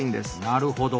なるほど！